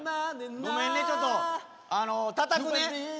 ごめんねちょっとたたくね。